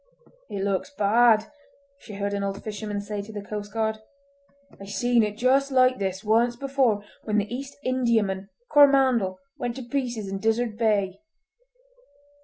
"It looks bad," she heard an old fisherman say to the coastguard. "I seen it just like this once before, when the East Indiaman Coromandel went to pieces in Dizzard Bay!"